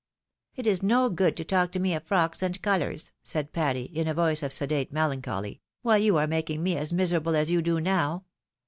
"It is no good to talk tome of frocks and colours," said Patty, in a voice of sedate melancholy, " while you are making me as miserable as you do now.